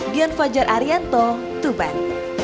dian fajar arianto tuban